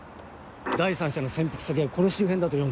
第三者の潜伏先がこの周辺だと読んだ。